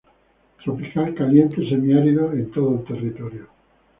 Tropical caliente semiárido en todo el territorio.